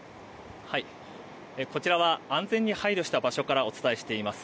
こちらは安全に配慮した場所からお伝えしています。